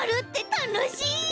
たのしい！